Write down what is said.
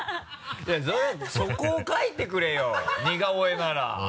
いやそこを描いてくれよ似顔絵なら。